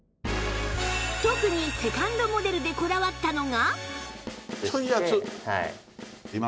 特に ２ｎｄ モデルでこだわったのが